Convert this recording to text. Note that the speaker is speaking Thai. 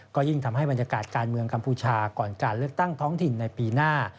ก็ยิ่งทำให้บรรยากาศการเมืองกัมพูชาก่อนการเลือกตั้งท้องถิ่นในปีหน้า